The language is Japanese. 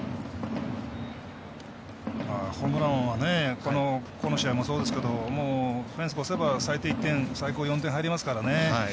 ホームランはこの試合もそうですけどフェンス越せば、最低１点最高４点入りますからね。